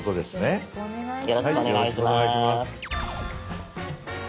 よろしくお願いします。